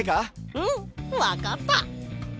うんわかった！